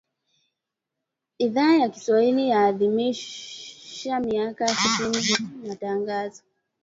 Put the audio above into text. Idhaa ya Kiswahili yaadhimisha miaka sitini ya Matangazo